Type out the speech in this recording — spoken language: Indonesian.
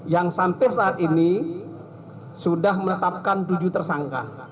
yang sampai saat ini sudah menetapkan tujuh tersangka